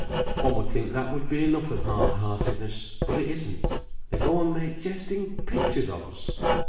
One would think that would be enough of hard heartedness, but it isn't. They go and make jesting pictures of us!